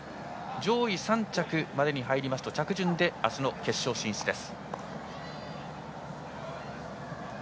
上位３着までに入りますと着順であすの決勝進出です。